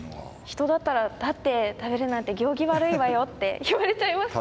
人だったら立って食べるなんて行儀悪いわよって言われちゃいますけど。